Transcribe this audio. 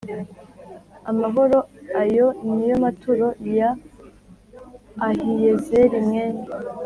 amahoro Ayo ni yo maturo ya Ahiyezeri mwene